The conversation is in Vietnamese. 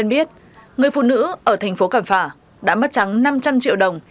và không biết người phụ nữ ở thành phố cảm phả đã mất trắng năm trăm linh triệu đồng